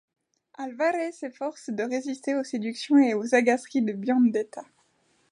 Alvare s'efforce de résister aux séductions et aux agaceries de Biondetta.